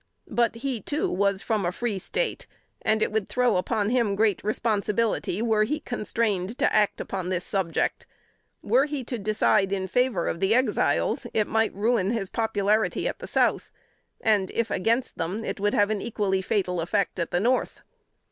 But he, too, was from a free State, and it would throw upon him great responsibility were he constrained to act upon this subject. Were he to decide in favor of the Exiles, it might ruin his popularity at the South; and if against them, it would have an equally fatal effect at the North.